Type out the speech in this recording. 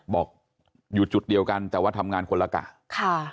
บอกอยู่จุดเดียวกันแต่ว่าทำงานคนละกะค่ะ